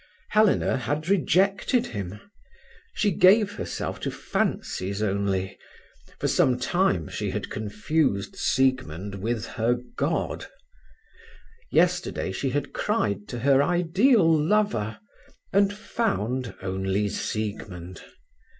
Helena had rejected him. She gave herself to her fancies only. For some time she had confused Siegmund with her god. Yesterday she had cried to her ideal lover, and found only Siegmund.